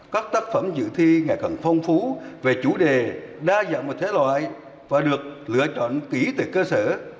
các tác phẩm dự thi ngày càng phong phú về chủ đề đa dạng một thế loại và được lựa chọn kỹ từ cơ sở